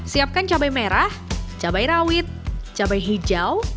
siapkan cabai merah cabai rawit cabai hijau